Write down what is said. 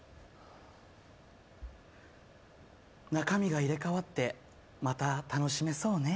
中身が入れかわってまた楽しめそうね。